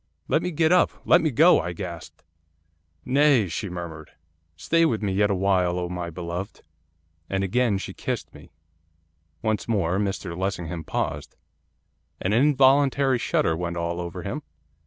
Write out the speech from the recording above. '"Let me get up! let me go!" I gasped. '"Nay," she murmured, "stay with me yet awhile, O my beloved." 'And again she kissed me.' Once more Mr Lessingham paused. An involuntary shudder went all over him.